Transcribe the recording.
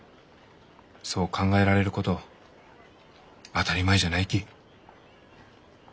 そう考えられること当たり前じゃないき。